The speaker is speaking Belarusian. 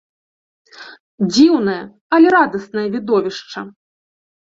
Дзіўнае, але радаснае відовішча!